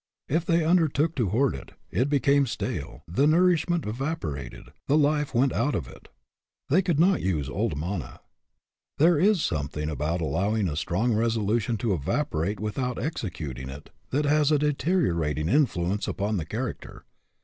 If they undertook to hoard it, it became stale, the nourishment evaporated, the life went out of it. They could not use old manna. There is something about allowing a strong resolution to evaporate without executing it that has a deteriorating influence upon the character.